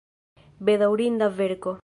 Bedaŭrinda verko!